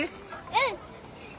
うん。